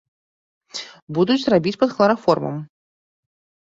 Будуць рабіць пад хлараформам.